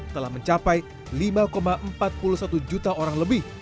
telah mencapai lima empat puluh satu juta orang lebih